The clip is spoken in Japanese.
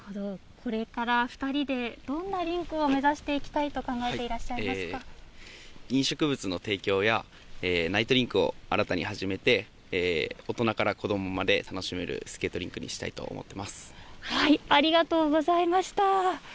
これから２人で、どんなリンクを目指していきたい飲食物の提供やナイトリンクを新たに始めて、大人から子どもまで楽しめるスケートリンクにしありがとうございました。